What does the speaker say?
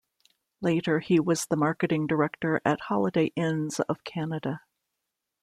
Later, he was the Marketing Director at Holiday Inns of Canada.